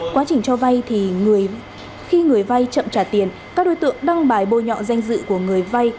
quá trình cho vay thì khi người vay chậm trả tiền các đối tượng đăng bài bôi nhọ danh dự của người vay